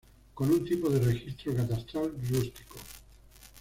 Con un tipo de registro catastral rústico.